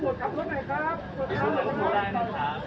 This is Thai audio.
พี่สุนัยคิดถึงลูกไหมครับ